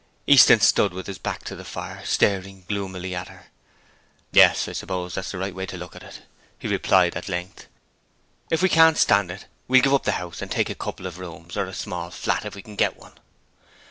Easton stood with his back to the fire, staring gloomily at her. 'Yes, I suppose that's the right way to look at it,' he replied at length. 'If we can't stand it, we'll give up the house and take a couple of rooms, or a small flat if we can get one.'